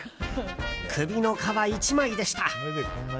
首の皮一枚でした。